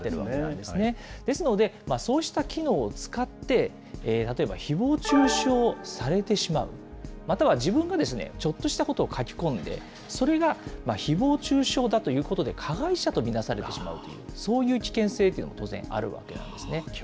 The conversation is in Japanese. ですので、そうした機能を使って、例えばひぼう中傷されてしまう、または自分がちょっとしたことを書き込んで、それがひぼう中傷だということで加害者と見なされてしまうという、そういう危険性というのが当然あるわけなんですね。